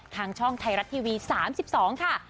ทางช่องไทยรัฐทีวี๓๒ค่ะ